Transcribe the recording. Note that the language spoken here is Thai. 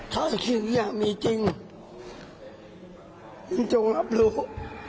ถ้าสักครู่อย่างนี้มีจริงมึงจงรับรู้